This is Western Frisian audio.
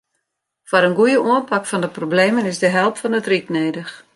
Foar in goeie oanpak fan de problemen is de help fan it ryk nedich.